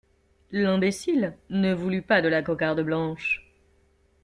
L'imbécile, ne voulut pas de la cocarde blanche.